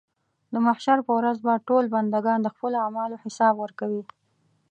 د محشر په ورځ به ټول بندګان د خپلو اعمالو حساب ورکوي.